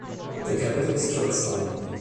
Its capital is Charazani.